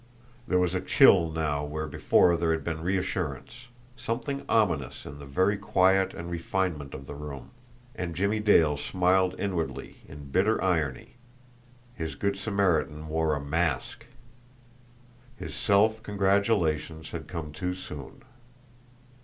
There was a chill now where before there had been reassurance, something ominous in the very quiet and refinement of the room; and Jimmie Dale smiled inwardly in bitter irony his good Samaritan wore a mask! His self congratulations had come too soon.